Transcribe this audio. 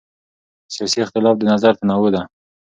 سیاسي اختلاف د نظر تنوع ده